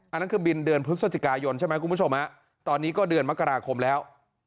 อันนั้นคือบินเดือนพฤศจิกายนใช่ไหมคุณผู้ชมฮะตอนนี้ก็เดือนมกราคมแล้ว